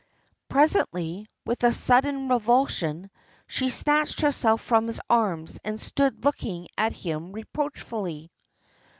Presently, with a sudden revulsion, she snatched herself from his arms, and stood looking at him reproachfully.